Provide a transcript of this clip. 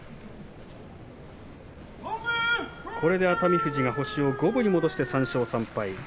これで熱海富士が星を五分に戻して３勝３敗。